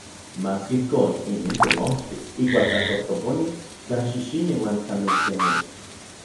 Maski ijkon, inin temojti. Ijkuak tlatojtoponi, tlaxixini uan tlamiktiani.